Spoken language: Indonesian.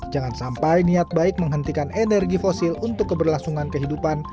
jangan sampai niat baik menghentikan energi fosil untuk keberlangsungan kehidupan